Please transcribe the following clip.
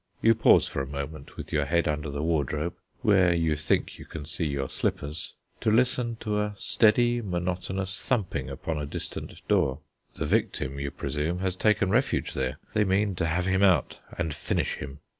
You pause for a moment, with your head under the wardrobe, where you think you can see your slippers, to listen to a steady, monotonous thumping upon a distant door. The victim, you presume, has taken refuge there; they mean to have him out and finish him.